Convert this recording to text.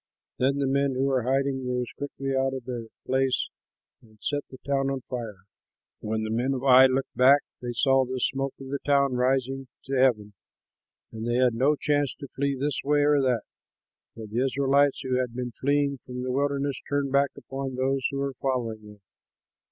Then the men who were hiding rose quickly out of their place and set the town on fire. When the men of Ai looked back, they saw the smoke of the town rising to heaven; and they had no chance to flee this way or that, for the Israelites who had been fleeing to the wilderness turned back upon those who were following them.